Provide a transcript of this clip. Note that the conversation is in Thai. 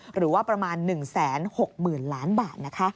หรือว่าประมาณ๑๖๐๐๐ล้านบาทนะคะ